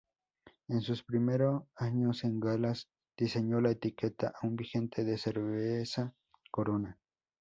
En sus primero años en Galas diseñó la etiqueta, aún vigente de cerveza Corona.